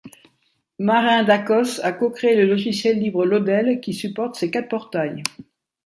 Marin Dacos a co-créé le logiciel libre Lodel qui supporte ces quatre portails.